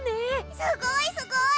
すごいすごい！